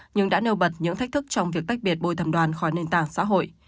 nhưng đã nêu bật những thách thức trong việc tách biệt bồi thầm đoàn khỏi nền tảng xã hội